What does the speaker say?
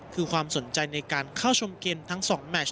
คือความสนใจในการเข้าชมเกมทั้ง๒แมช